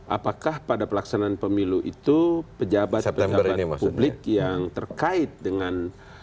apakah pada pelaksanaan pemilu itu pejabat pejabat publik yang terkait dengan